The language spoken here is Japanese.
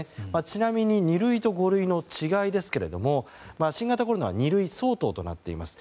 ちなみに二類と五類の違いですが新型コロナは二類相当となっています。